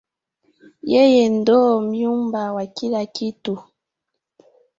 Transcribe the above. Yeye ndo mlyumba wa kila kitu